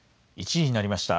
１時になりました。